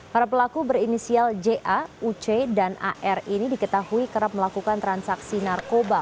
para pelaku berinisial ja uc dan ar ini diketahui kerap melakukan transaksi narkoba